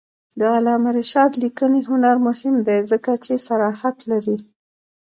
د علامه رشاد لیکنی هنر مهم دی ځکه چې صراحت لري.